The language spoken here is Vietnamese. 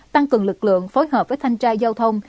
tăng cường lực lượng phối hợp với thanh tra giao thông